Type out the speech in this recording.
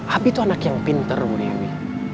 habib itu anak yang pinter bu dewi